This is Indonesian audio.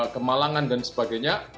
kemalangan dan sebagainya